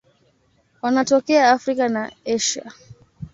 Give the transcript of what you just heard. Wanatokea Afrika na Asia.